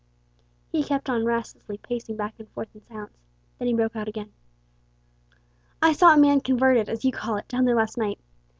'" He kept on restlessly pacing back and forth in silence. Then he broke out again: "I saw a man converted, as you call it, down there last night.